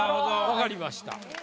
分かりました。